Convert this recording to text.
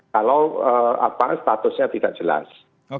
kalau statusnya tidak jelas